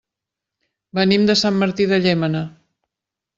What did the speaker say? Venim de Sant Martí de Llémena.